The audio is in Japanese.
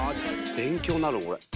勉強になるこれ。